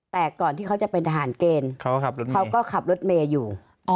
แต่ก่อนที่เขาจะเป็นทหารเกณฑ์เขาก็ขับรถเมย์อยู่